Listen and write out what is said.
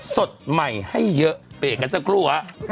สดใหม่ให้เยอะเบรกกันสักครู่ฮะ